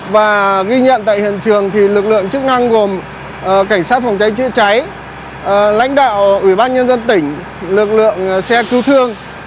và ghi nhận tại hiện trường lực lượng chức năng gồm cảnh sát phòng cháy chữa cháy lãnh đạo ủy ban nhân dân tỉnh lực lượng xe cứu thương